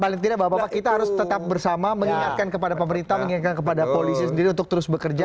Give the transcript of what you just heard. paling tidak bapak bapak kita harus tetap bersama mengingatkan kepada pemerintah mengingatkan kepada polisi sendiri untuk terus bekerja